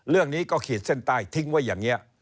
เรื่องนี้ก็ขีดเส้นใต้ทิ้งไว้อย่างนี้